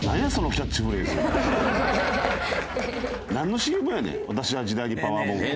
なんのＣＭやねん「私は時代にパワーボム」って。